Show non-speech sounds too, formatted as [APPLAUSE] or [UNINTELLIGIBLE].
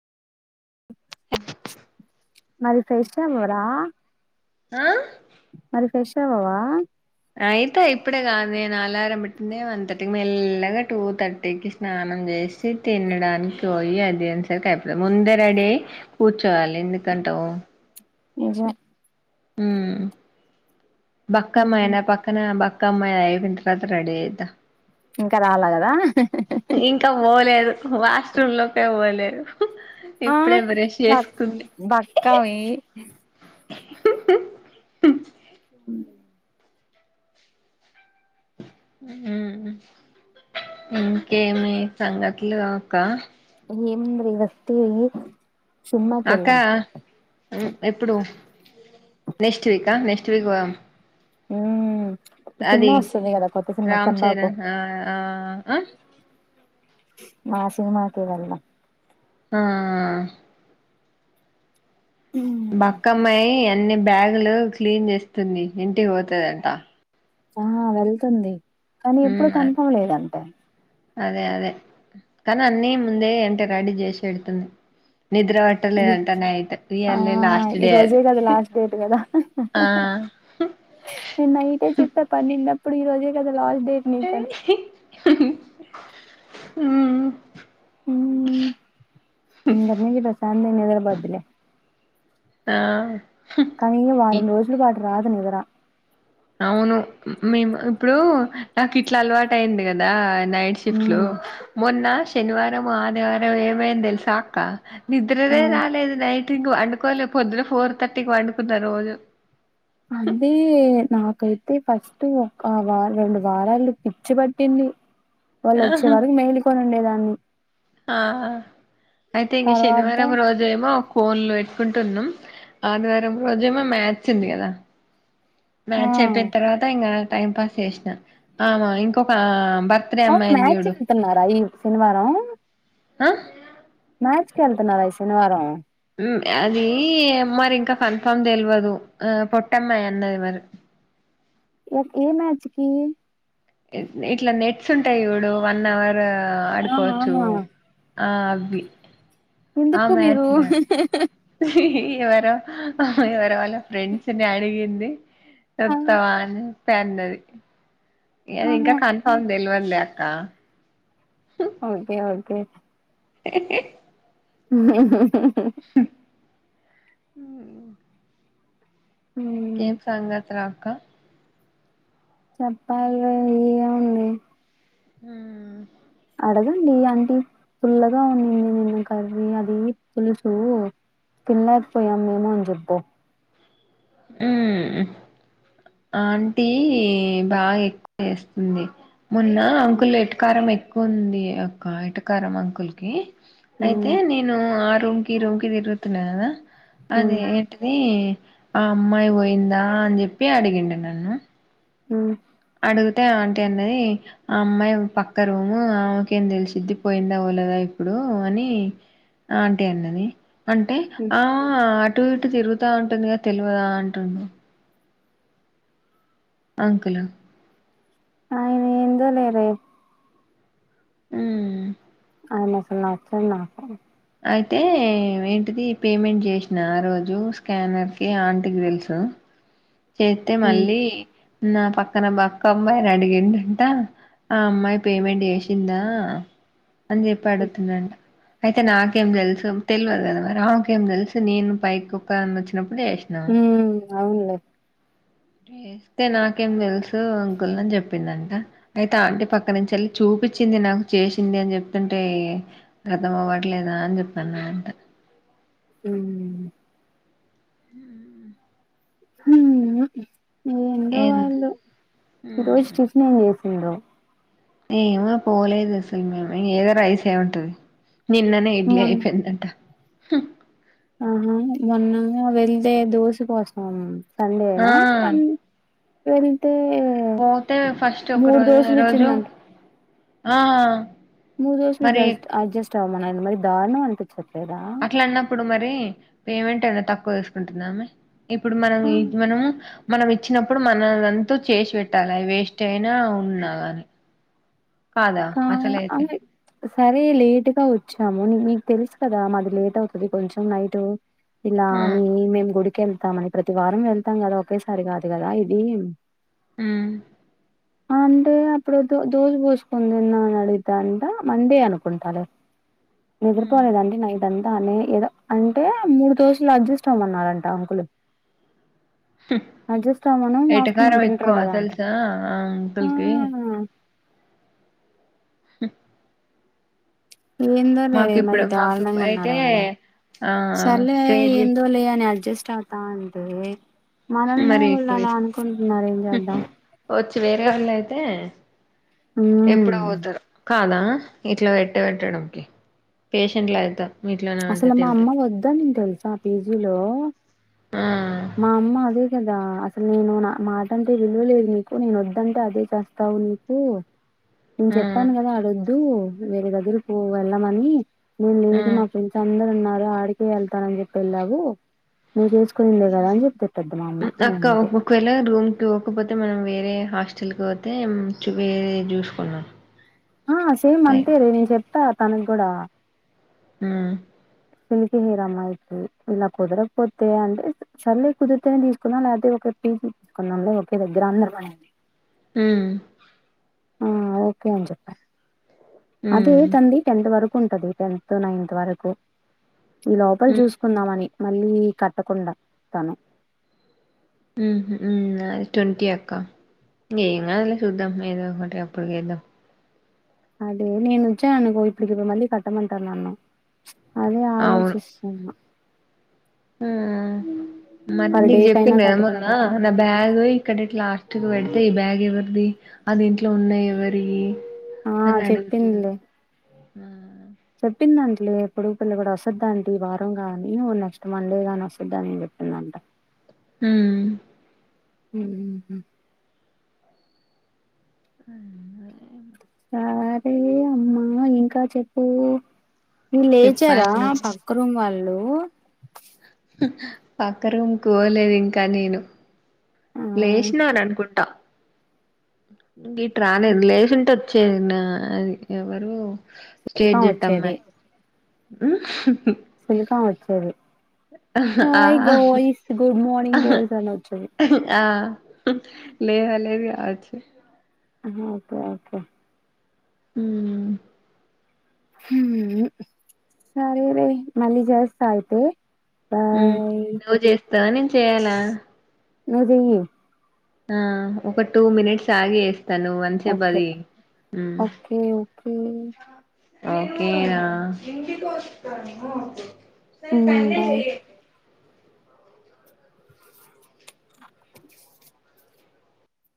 మరి ఫెష్ అవ్వరా ఆ మరి ఫెష్ అవ్వవా అయిత ఇప్పుడే కాదు నేను అలారం బెట్టిందే వన్ థర్టీకి మెల్లగా టూ థర్టీకి స్ స్నానం చేసి తినడానికి పోయి అదేన్సరికి అయిపోతది ముందే రడీ అయి కూర్చోవాలి ఎందుకంటవు నిజమే ఉమ్ బక్కమ్మాయి నా పక్కన బక్ కమ్మాయ్ అయిపోయిన తరవాత రెడీ అయితా ఇంకా రాలా కదా ఇంకా పోలేదు వాష్రూమ్ లోకే పోలేదు ఇప్పుడే బ్రష్ చేసుకుంది కావి ఉమ్ ఉమ్ ఇంకేమి సంగతులు అక్కా [UNINTELLIGIBLE] వస్తే అక్కా ఉ ఎప్పుడు నెక్స్ట్ వీకా నెక్స్ట్ వీక్ పోదాం ఉమ్ కొత్త సినిమా అది వస్తుంది కదా కొత్త సినిమా రామ్ చంబాకు చరణ్ ఆ ఆ ఆ ఆ సినిమాకి వెళ్దామ్ ఆ ఉమ్ బక్కమ్మయి అన్ని బ్యాగులు క్లీన్ చేస్తుంది ఇంటికి పోతదంట ఆ వెళ్తుంది కానీ ఉమ్ ఎప్పుడు అ- కన్ఫమ్ లేదంటే అదే అదే కానీ అన్నీ ముందే అంటే రడీ చేసిపెడుతుంది నిద్ర వట్ ఈ ఆ డే అది ఈరోజే కదా లాస్ట్ డేట్ కదా ఆ నేను నైటే చెప్పా పన్నిండప్పుడు ఈ రోజే కదా లాస్ట్ డేట్ నీకు అని ఉమ్ ఉమ్ [UNINTELLIGIBLE] నుంచి ప్రశాంతంగా నిద్ర పోద్ధిలే ఆ కానీ వారం రోజులు పాటు రాదు నిద్ర అవును మేము ఇప్పుడు నాకు ఇట్ల అలవాటు అయింది కదా నైట్ షిఫ్ట్లు ఉమ్ మొన్న శనివారము ఆదివారము ఏమైందో తెలుసా అక్కా ఆ నిద్రనే రాలేదు నైట్ ఇంక పండుకోలే పొద్దున ఫోర్ థర్టీకి పండుకున్న రోజు అండి నాకైతే ఫస్ట్ ఒక వారం రెండు వారాలు పిచ్చి పట్టింది వాళ్ళు వచ్చే వరకు మైలు కొని ఉండే దాన్ని అ ఆ అయితే ఇంక తర్వాత శనివారం రోజు ఏమో కోన్ లు పెట్టుకుంటున్నాం ఆదివారం రోజు ఏమో మ్యాచ్ ఉంది కదా ఆ మ్యాచ్ అయిపోయిన తర్వాత ఇంకా టైం పాస్ చేసినా అ ఇంకొక బర్త్ అవును మ్యాచ్ తింటన్నార ఈ శనివారం అహ్ మ్యాచ్ కి వెళ్తున్నారా ఈ శనివారం అది మరి ఇంకా కన్ఫర్మ్ తెలియదు ఆ పొట్టమ్మాయి అన్నది మరి ఓ ఏ మ్యాచ్ కి ఇట్ల నెట్స్ ఉంటాయి చూడు వన్ అవర్ ఆహా ఆడుకోవచ్చు ఆ అవి ఆ ఎందుకు మీరు మ్యాచ్ లే ఎవరో ఎవరో వాళ్ళ ఫ్రెండ్స్ ని అడిగింది ఆ వత్తవా అనేసి అన్నది ఎ అది ఇంకా ఆహా కన్ఫామ్ తెలవదులే అక్క ఒకే ఒకే [INAUDIBLE] ఉ హు హు హు హు ఉ ఏం సంగతి రా అక్క చెప్పాలి ర ఏముంది హు అడగండి అంటి పుల్లగా ఉన్న నిన్న కర్రీ అది పులుసు తినలేకపోయాము మేము అని చెప్పు హ్మ్ ఆంటీ బాగా ఎక్కువ వేస్తుంది మొన్న అంకుల్ ఎట్కారం ఎక్కు కువ ఉంది అక్క ఏటకారం అంకుల్ కి అయితే హ్మ్ నేను ఆ రూమ్ కి ఈ రూమ్ కి తిరుగుతున్న కదా హ్మ్ అదీ అది ఆ అమ్మాయి పోయిందా అని చెప్పి అడిగిండు నన్ను ఉ అడుగుతే ఆంటి అన్నది ఆ అమ్మాయి పక్క రూము ఆమెకేం తెలిసిద్ది పోయిందా పోలేదా ఇప్పుడు అని ఆంటి అన్నది అంటే హ్మ్ ఆ అటు ఇటు తిరుగుతా ఉంటుంది కదా తెల్వదా అంటుడు అంకులా అయన ఏందోలే వే మ్మ్ అయన అసలు నచ్చదు నాకు అయితే ఏంటిది పేమెంట్ చేసినా ఆ రోజు స్కానర్కి ఆంటికి తెలుసు చేస్తే హ్మ్ మళ్ళీ నా పక్కన బక్క అమ్మాయిని అడిగిండు అంట ఆ అమ్మాయి పేమెంట్ చేసిందా అని చెప్పి అడుగుతున్నాడు అంట అయితే నాకేం తెలుసు తెల్వదా కదా మరి ఆమెకేం తెలుసు నేను పైకి ఓక్ వచ్చినప్పుడు చేసినాను మ్మ్ అవునులే వస్తే నాకేం తెలుసు అంకుల్ని చెప్పిందంట అయితే ఆంటీ పక్క నుంచి వెళ్ళి చూపిచ్చింది నాకు చేసింది అని చెప్తుంటే అర్థం అవట్లేదా అని చెప్పి అన్నాదంట మ్మ్ ఉ హా ఎందొ ఏం వాళ్లు ఈ రోజు టిఫన్ ఏం చేసిండో ఏమో పోలేదు అసలు మేము ఏదో రైస్ ఏ ఉంటది నిన్ననే ఇడ్లీ మొన్న అయిపోయిందంట హ ఆహా మొన్ ఏమో వెళ్తే దోసకోసం ఆ సండేనా నా మ్యాన్ వెళ్తే పోతే ఫస్ట్ ఒక మూడు రోజు ఈ దోశలు రోజు ఇచ్చిందంట ఆ మూడు దోసలు మరి జస్ట్ అడ్జస్ట్ అవ్వమన మరి దారుణం అనిపించట్లేదా అట్లా అన్నప్పుడు మరి పేమెంట్ ఏద తక్కువ తీసుకుంటుంద ఆమె ఇప్పుడు మనం ఆ ఇది మనము మనం ఇచ్చినప్పుడు మనదంతో చేసి పెట్టాలి అవి వేస్ట్ అయినా ఉండాల అని ఇంకా అలాగే సరే లేటుగా వచ్చాము మీకు తెలుసు కదా మాది లేట్ అవుతుది కొంచెం నైట్ ఇలా ఆ అని మేము గుడికి వెళ్తామని ప్రతి వారం వెళ్తాం కదా ఒకేసారి కాదు కదా ఇది మ్మ్ అంటే అప్పుడు ఎదో దోస పోసుకో పోసుకొని తిందామా అని అడిగితే అంట మండి అనుకుంటా అలా నిద్రపోలేదండి నైట్ ఇదంతా అనే ఏదో అంటే మూడు రోజులు అడ్జస్ట్ అవ్వమన్నారుంట ఆ అంకులు అడ్జస్ట్ అవ్వమను, ఆఫ్టర్నూన్ ఎటకారం తింటారు ఎక్కువ కదా అంట తెలుసా ఆ ఆ అంకుల్ కి ఏందో లే మాకు మరి ఇప్పుడు మాకు దారుణంగా అయితే ఉన్నారు వాళ్ళ ఆ సరలే స్టేజీ ఏందో లే అని అడ్జస్ట్ అవ్ స్తా అంటే మనల్నే మరి వాళ్ళు ఎక్కువ అలా ఇష్టం. అనుకుంటున్నారు ఏం చేద్దాం వచ్చి వేరే వాళ్ళు అయితే ఎప్పుడో ఉమ్ పోతారు కాదా ఇట్లా పెట్టే పెట్టడంకి పేషెంట్ల అయితే అసలు మా అమ్మ వద్దు అన్నది తెలుసా ఆ పీజీలో ఆ మా అమ్మ అదే కదా అసలు నేను నా మాట అంటే విలువలేదు నీకు నేను వద్దంటే అదే చేస్తా స్తావు నీకు నేను ఆ చెప్పాను కదా అడొద్దు వేరే దగ్గర పో వెళ్ళమని నేను ఆ లేదు మా ఫ్రెండ్స్ అందరు ఉన్నారు ఆడికే వెళ్తానాని చెప్పి వెళ్ళావు నువ్వు చేసుకుందే కదా అని చెప్పిద్ది మా అమ్మ అక్క నేనంటే ఒకవేళ రూమ్కి పోకపోతే మనం వేరే హాస్టల్కి పోతే చూప్ వేరే చూసుకుందాం ఆ సేమ్ అంతే రే నేను చెప్తా తనకు కూడా మ్మ్ సిల్క్ హెయిర్ అమ్మాయికి ఇలా కుదరకపోతే అంటే సర్లే కుదిర్తేనే తీసుకున్నాం లేకపోతే ఒక పీజి తీసుకుందాంలే ఒకే దగ్గర అందరం అనింది ఉమ్ ఆ ఓకే అని చెప్పను అదే ఉమ్ తంది టెన్త్. వరకు ఉంట అది టెన్త్ నైన్త్ వరకు ఈ లోకల్ ఉమ్ చూస్ కుందామ అని మళ్ళీ కట్టకుండా తను మ్ హు అద ట్వంటీ అక్క ఏంకాదులే చూద్దాం ఏదో ఒకటి అప్పుడికి వేద్దాం అదే నేను వచ్చా అనుకో ఇప్పడికి మళ్ళీ కట్టమంటార్ నన్ను అదే ఆలోచిస్త అవును ఆ పర్ మళ్ళి డే కైనా చెప్పింది ఏము ఉన్నా కట్టుకునేటట్టు నమ్ బ్యాగ్ ఇక్కడ ఇట్ల లాస్ట్ క పెడితే ఈ బ్యాగ్ ఎవరిది అది ఇంట్లో ఉన్నాయి ఎవరి ఆ నన్ను అడుగుతున్ చెప్పింద అంటలే ఎప్పుడు పిల్ల కూడా వస్తుద్ద అంటే వారం కాగాని నెక్స్ట్ మండే గాని వస్తుద్దాని అని చెప్పింద అంట మ్ ఉహు ఆ సరే అమ్మా ఇంకా చెప్పు మీ లేచారా చెప్పాలి నువ్వు ప ఒక్క రూమ్ వాళ్ళు పక్క రూమ్ లోకి పోలేదు ఇంకా నేను ఆ లేేషి నాన్ అను గుంటా గిట్ రాలేదులేసేంటు వచ్చేదినా అది ఎవరు ఇంకా స్టేజ్ ఇట్ట వచ్చేది అమ్మాయి సుల్కా వచ్చేది ఆ హాయ్ గ్రాయ్స్ గుడ్ మార్నింగ్ ఆ గాయిస్ అని వచ్చేది ఆ లేవ లేది అవచ్చు ఓకే ఓకే ఉ హుం సరే లే మళ్లీ జేస్త అయితే బాయ్ నువ్వు చేస్తావా నేను చేయాలా నదీ ఆ ఒక టూ మినిట్స్ ఆగి వేస్తాను మంచి ఓకే పది ఓకే ఓకే ఓకేనా బాయ్